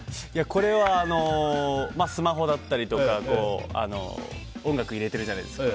これはスマホだったりとか音楽入れてるじゃないですか。